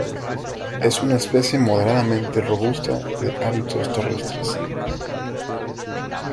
Es una especie moderadamente robusta de hábitos terrestres.